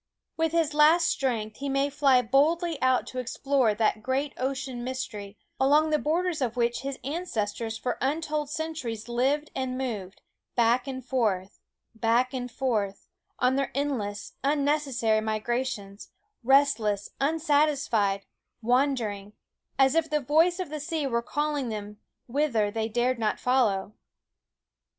With his last strength he may fly boldly out to explore that great ocean mystery, along the borders of which his ancestors for untold centuries lived and moved, back and forth, back and forth, on their endless, unnecessary migrations, rest less, unsatisfied, wandering, as if the voice of the sea were calling them whither they dared not follow.